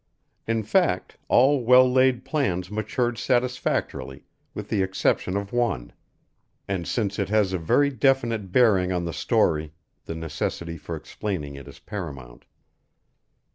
In fact, all well laid plans matured satisfactorily with the exception of one, and since it has a very definite bearing on the story, the necessity for explaining it is paramount.